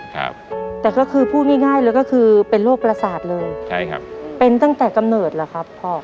ครับแต่ก็คือพูดง่ายง่ายเลยก็คือเป็นโรคประสาทเลยใช่ครับเป็นตั้งแต่กำเนิดเหรอครับพ่อ